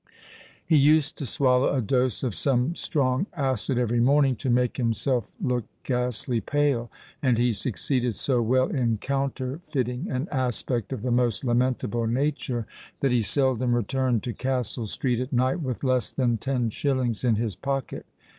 He used to swallow a dose of some strong acid every morning to make himself look ghastly pale; and he succeeded so well in counterfeiting an aspect of the most lamentable nature, that he seldom returned to Castle Street at night with less than ten shillings in his pocket.